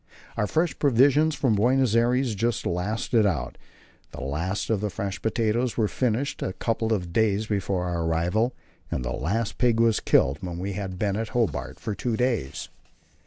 Our fresh provisions from Buenos Aires just lasted out; the last of the fresh potatoes were finished a couple of days before our arrival, and the last pig was killed when we had been at Hobart two days.